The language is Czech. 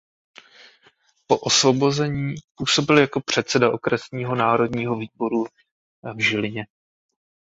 Po osvobození působil jako předseda Okresního národního výboru v Žilině.